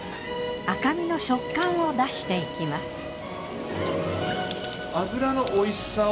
赤身の食感を出していきます。